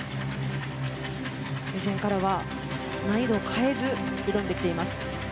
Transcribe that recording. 予選からは難易度を変えず挑んできています。